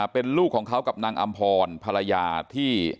เป็นลูกของเขากับนางอำพรภรรยาที่